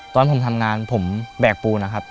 ตอนผมทำงานผมแบกปูนะครับ